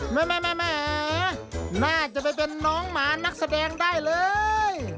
แม่น่าจะไปเป็นน้องหมานักแสดงได้เลย